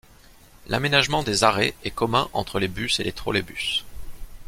L'aménagement des arrêts est commun entre les bus et les trolleybus.